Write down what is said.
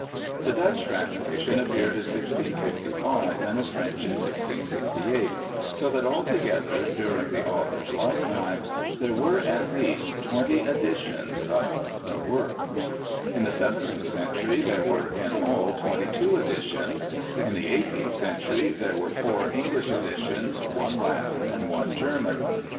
The Dutch translation 264 BIOGRAPHICAL ESSAYS appeared in 1655 and a French in 1668, so that altogether during the author's lifetime there were at least twenty editions of the work. In the seventeenth century there were in all twenty two editions. In the eighteenth century there were four English editions, one Latin, and one German.